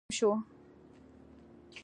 د لرغونو وسلو ښخېدو ځای معلوم شو.